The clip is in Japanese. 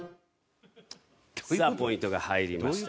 さあポイントが入りました。